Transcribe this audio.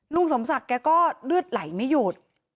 ลุงสมศักดิ์แกก็เลือดไหลไม่หยุด